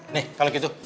nih kalau gitu